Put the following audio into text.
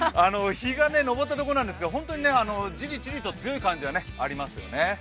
日が昇ったところなんですが、じりじりと強い感じがありますね。